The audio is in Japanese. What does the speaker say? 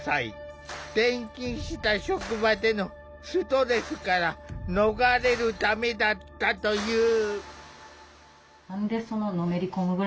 転勤した職場でのストレスから逃れるためだったという。